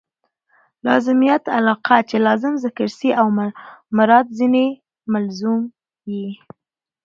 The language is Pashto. لازمیت علاقه؛ چي لازم ذکر سي او مراد ځني ملزوم يي.